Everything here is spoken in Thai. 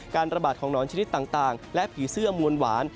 ระบาดของหนอนชนิดต่างและผีเสื้อมวลหวาน